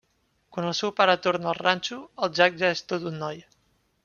Quan el seu pare torna al ranxo, en Jack ja és tot un noi.